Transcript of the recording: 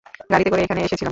গাড়িতে করে এখানে এসেছিলাম।